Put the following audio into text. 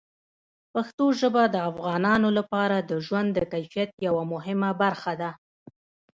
پښتو ژبه د افغانانو لپاره د ژوند د کیفیت یوه مهمه برخه ده.